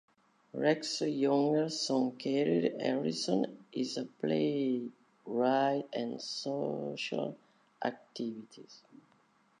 Rex's younger son Carey Harrison is a playwright and social activist.